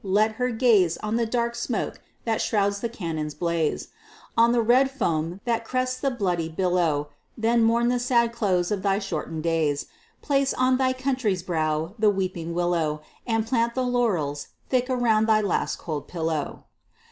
let her gaze On the dark smoke that shrouds the cannon's blaze, On the red foam that crests the bloody billow; Then mourn the sad close of thy shorten'd days Place on thy country's brow the weeping willow, And plant the laurels thick around thy last cold pillow.